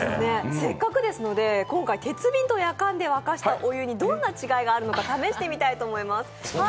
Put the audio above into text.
せっかくですので今回、鉄瓶とやかんで沸かしたお湯にどんな違いがあるのか試してみたいと思います。